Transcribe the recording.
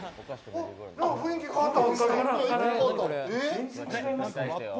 雰囲気変わった。